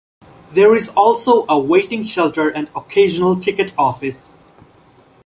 There is also a waiting shelter and occasional ticket office.